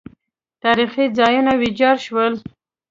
تاریخي ځایونه ویجاړ شول